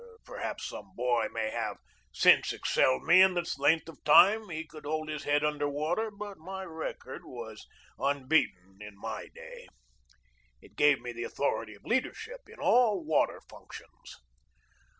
Perhaps some boy may have since excelled me in the length of time that he could hold his head under water, but my record was unbeaten in my day. It gave me the authority of leadership in all water functions.